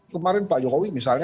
kemarin pak jokowi misalnya